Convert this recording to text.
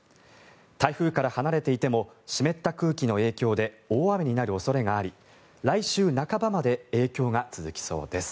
台風から離れていても湿った空気の影響で大雨になる恐れがあり来週半ばまで影響が続きそうです。